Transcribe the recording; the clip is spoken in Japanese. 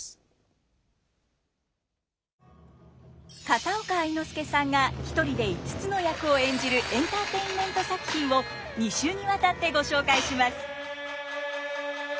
片岡愛之助さんが一人で５つの役を演じるエンターテインメント作品を２週にわたってご紹介します。